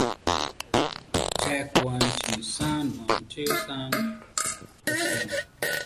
She also chaired the Ziguinchor Regional Union of Socialist Women.